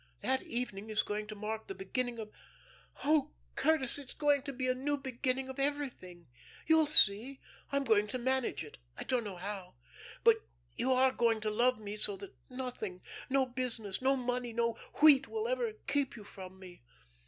That evening is going to mark the beginning of oh, Curtis, it is going to be a new beginning of everything. You'll see. I'm going to manage it. I don't know how, but you are going to love me so that nothing, no business, no money, no wheat will ever keep you from me.